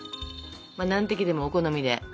何滴でもお好みで。